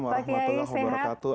wa rahmatullah wabarakatuh